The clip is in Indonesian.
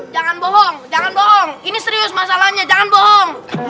jangan bohong jangan bohong ini serius masalahnya jangan bohong